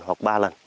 hoặc ba lần